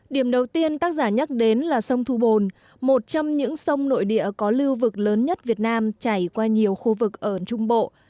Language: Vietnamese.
điểm đầu tiên tác giả nhắc đến là sông thu bồn một trong những sông nội địa có lưu vực lớn nhất việt nam chảy qua nhiều khu vực ở trung bộ